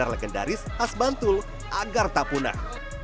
dan kulinar legendaris khas bantul agar tak punah